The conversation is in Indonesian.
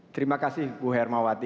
terima kasih bu hermawati